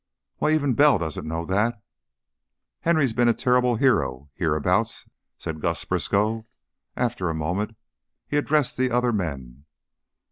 "Why, even Bell doesn't know that!" "Henry's been a terrible hero, hereabouts," said Gus Briskow. After a moment he addressed the other men.